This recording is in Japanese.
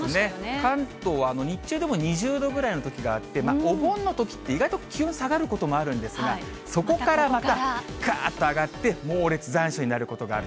関東は日中でも２０度ぐらいのときがあって、お盆のときって意外と気温、下がることもあるんですが、そこからまた、がーっと上がって、猛烈残暑になることがある。